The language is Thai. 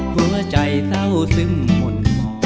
หัวใจเต้าซึ้งหมด